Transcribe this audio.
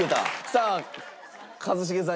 さあ一茂さん